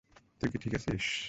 তুই কি ঠিক আছিস?